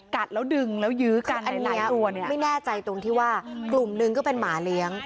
กัดแล้วดึงแล้วยื้อกันอันไหนไม่แน่ใจตรงที่ว่ากลุ่มหนึ่งก็เป็นหมาเลี้ยง